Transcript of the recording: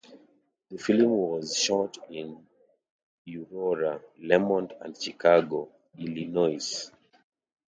The film was shot in Aurora, Lemont and Chicago, Illinois.